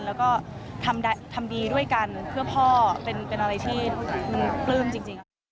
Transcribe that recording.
แล้วก็ทำดีด้วยกันเพื่อพ่อเป็นอะไรที่มันปลื้มจริง